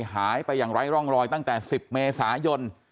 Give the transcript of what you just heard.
หายไปอย่างไร้ร่องรอยตั้งแต่๑๐เมษายน